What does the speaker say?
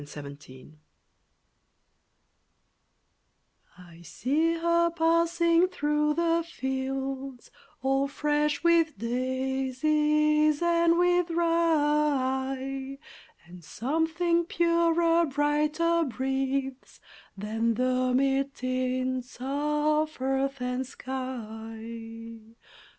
MADELEINE (1891) I see her passing through the fields All fresh with daisies and with rye, And something purer, brighter, breathes Than the mere tints of earth and sky.